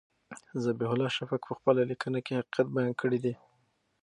ذبیح الله شفق په خپله لیکنه کې حقیقت بیان کړی دی.